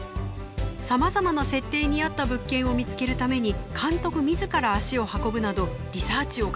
さまざまな設定に合った物件を見つけるために監督自ら足を運ぶなどリサーチを重ねたそうです。